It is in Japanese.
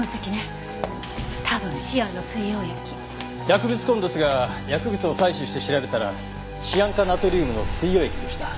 薬物痕ですが薬物を採取して調べたらシアン化ナトリウムの水溶液でした。